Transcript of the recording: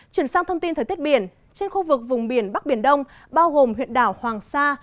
chuyển sang thông tin thời tiết biển trên khu vực vùng biển bắc biển đông bao gồm huyện đảo hoàng sa